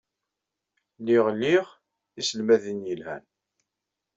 Lliɣ liɣ tiselmadin yelhan.